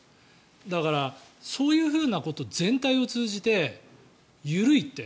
だからそういうこと全体を通じて緩いって。